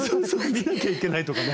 見なきゃいけないとかね。